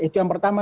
itu yang pertama